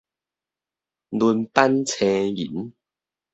輪班星人